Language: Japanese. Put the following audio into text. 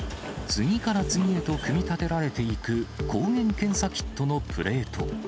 次から次へと組み立てられていく、抗原検査キットのプレート。